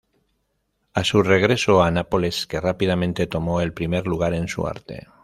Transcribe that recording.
A su regreso a Nápoles que rápidamente tomó el primer lugar en su arte.